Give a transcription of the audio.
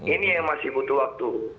ini yang masih butuh waktu